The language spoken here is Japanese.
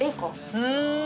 うん。